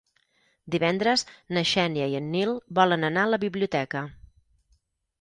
Divendres na Xènia i en Nil volen anar a la biblioteca.